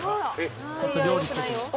料理してて。